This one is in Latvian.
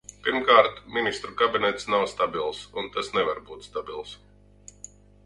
Pirmkārt, Ministru kabinets nav stabils, un tas nevar būt stabils.